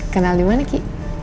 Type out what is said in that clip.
kenal dimana ki